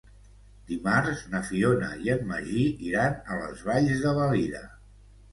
Dimarts na Fiona i en Magí iran a les Valls de Valira.